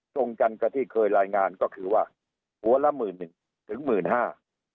ตรงกันกับที่เคยรายงานก็คือว่าหัวละหมื่นหนึ่งถึงหมื่นห้า